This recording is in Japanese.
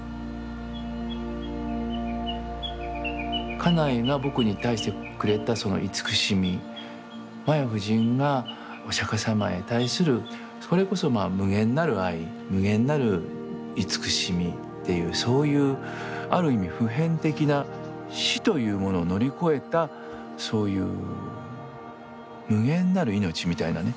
家内が僕に対してくれたその慈しみ摩耶夫人がお釈迦さまへ対するそれこそ無限なる愛無限なる慈しみっていうそういうある意味普遍的な死というものを乗り越えたそういう無限なる命みたいなね